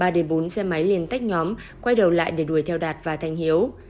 ba đến bốn xe máy liên tách nhóm quay đầu lại để đuổi theo đạt và thanh hiếu